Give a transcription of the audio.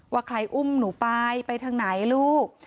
ว่าใครอุ้มหนูไปไปทางไหนลูก